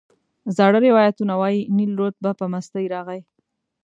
زاړه روایتونه وایي نیل رود به په مستۍ راغی.